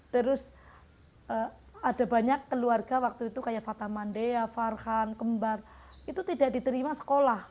terus ada banyak keluarga waktu itu kayak fata mandea farhan kembar itu tidak diterima sekolah